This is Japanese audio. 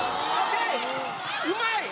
うまい！